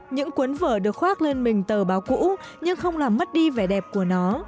những cuốn vở được khoác lên mình tờ báo cũ nhưng không làm mất đi vẻ đẹp của nó